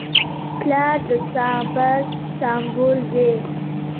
پلار د صبر سمبول دی.